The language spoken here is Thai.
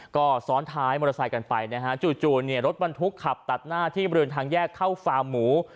ก็ซ้อนท้ายมอเตอร์ไซค์กันไปนะฮะจู่เนี่ยรถบรรทุกขับตัดหน้าที่บริเวณทางแยกเข้าฟาร์มหมู